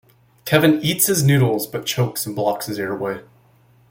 Kevin eats his noodles but chokes and blocks his airway.